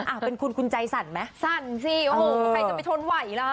อ่ะเป็นคุณคุณใจสั่นไหมสั่นสิโอ้โหใครจะไปชนไหวล่ะ